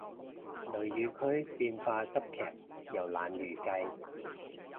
雷雨區變化急劇又難預計